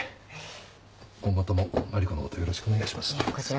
今後とも万理子のことよろしくお願いします。